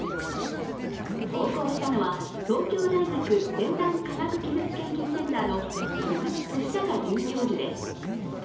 投稿したのは、東京大学先端科学技術研究センターの鈴木俊貴准教授です。